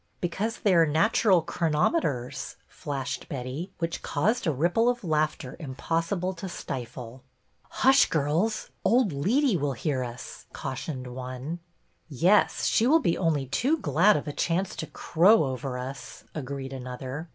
" Because they are natural chronometers," flashed Betty, which caused a ripple of laughter impossible to stifle. " Hush, girls. Old Leetey will hear us," cautioned one. " Yes, she will be only too glad of a chance to crow over us," agreed another.